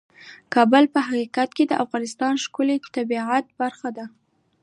کابل په حقیقت کې د افغانستان د ښکلي طبیعت برخه ده.